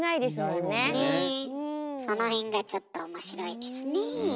その辺がちょっと面白いですねえ。